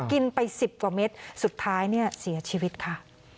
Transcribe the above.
กินไป๑๐กว่าเม็ดสุดท้ายเนี่ยเสียชีวิตค่ะ